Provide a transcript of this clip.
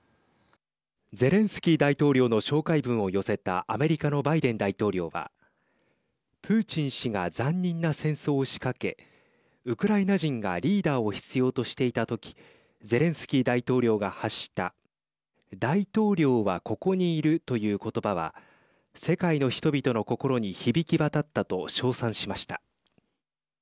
ゼレンスキー大統領の紹介文を寄せたアメリカのバイデン大統領はプーチン氏が残忍な戦争を仕掛けウクライナ人がリーダーを必要としていたときゼレンスキー大統領が発した大統領はここにいるという、ことばは世界の人々の心に響き渡ったと称賛しました。